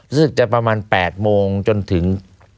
รู้สึกจะประมาณ๘โมงจนถึง